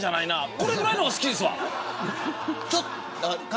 これぐらいの方が好きですわ。